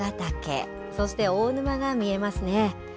駒ヶ岳、そして大沼が見えますね。